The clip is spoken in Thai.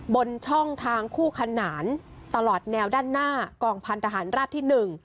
บนช่องทางคู่ขนานตลอดแนวด้านหน้ากองพันธหารราบที่๑